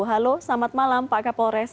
halo selamat malam pak kapolres